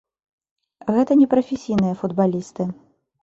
Гэта не прафесійныя футбалісты.